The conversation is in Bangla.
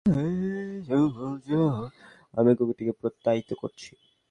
একজন অভিজ্ঞ কোচ হিসেবে, আমি এই কুকুরটিকে প্রত্যয়িত করছি।